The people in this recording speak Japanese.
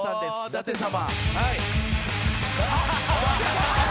舘様。